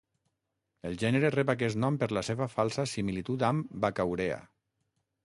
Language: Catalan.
El gènere rep aquest nom per la seva falsa similitud amb "Baccaurea".